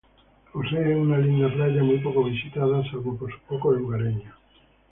Posee una linda playa muy poco visitada, salvo por sus pocos lugareños.